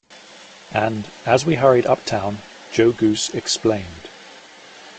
And as we hurried up town, Joe Goose explained.